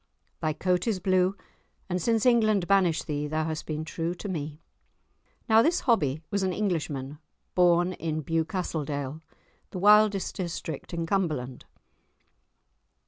Thy coat is blue, and since England banished thee thou hast been true to me." Now this Hobbie was an Englishman, born in Bewcastledale, the wildest district in Cumberland.